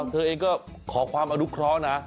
เธอเองก็ขอความอนุเคราะห์นะ